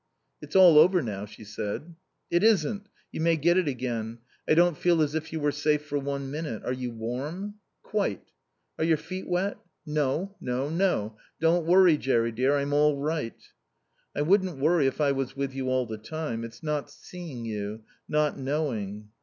"It's all over now," she said. "It isn't. You may get it again. I don't feel as if you were safe for one minute. Are you warm?" "Quite." "Are your feet wet?" "No. No. No. Don't worry, Jerry dear; I'm all right." "I wouldn't worry if I was with you all the time. It's not seeing you. Not knowing."